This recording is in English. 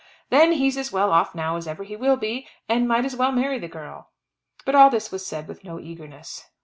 "Then he's as well off now as ever he will be, and might as well marry the girl." But all this was said with no eagerness.